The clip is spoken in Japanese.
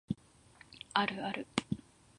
あるある